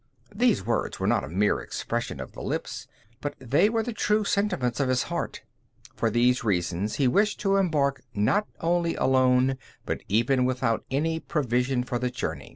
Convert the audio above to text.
These words were not a mere expression of the lips, but they were the true sentiments of his heart. For these reasons he wished to embark not only alone, but even without any provision for the voyage.